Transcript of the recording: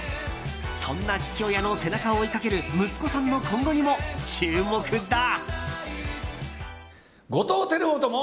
そんな父親の背中を追いかける息子さんの今後にも注目だ。